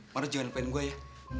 mar lo jangan lupain gue ya